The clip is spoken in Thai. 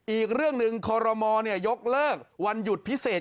อีกเรื่องหนึ่งคอรมอลยกเลิกวันหยุดพิเศษ